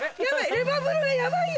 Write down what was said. レバブルがヤバいよ！